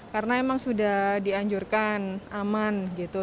karena emang sudah dianjurkan aman gitu